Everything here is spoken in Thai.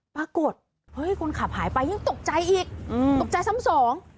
ปรากฏเฮ้ยคนขับหายไปยังตกใจอีกอืมตกใจซ้ำสอง